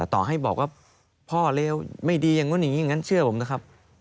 ต่อให้บอกว่าพ่อเลวไม่ดีอย่างนู้นอย่างนี้อย่างนั้นเชื่อผมนะครับ